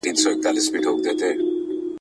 د تور سره او زرغون بیرغ کفن به راته جوړ کې ..